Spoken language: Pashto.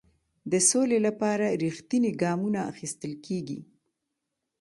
د سولې لپاره رښتیني ګامونه اخیستل کیږي.